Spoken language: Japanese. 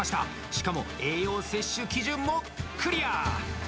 しかも栄養摂取基準もクリア！